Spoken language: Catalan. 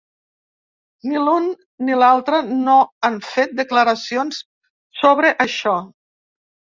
Ni l’un ni l’altre no han fet declaracions sobre això.